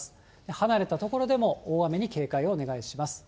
離れた所でも大雨に警戒をお願いします。